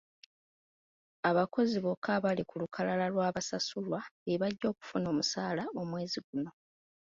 Abakozi bokka abali ku lukalala lw'abasasulwa be bajja okufuna omusaala omwezi guno.